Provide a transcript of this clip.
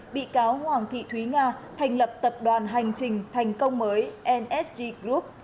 bị cáo hoàng thị thúy nga thành lập tập đoàn hành trình thành công mới nsg group